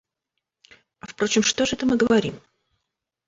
А впрочем, что же это мы говорим?